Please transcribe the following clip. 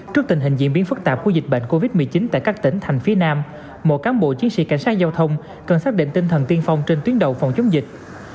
trước tình hình diễn biến phức tạp của dịch bệnh covid một mươi chín tại các tỉnh thành phía nam mỗi cán bộ chiến sĩ cảnh sát giao thông cần xác định tinh thần tiên phong trên tuyến đầu phòng chống dịch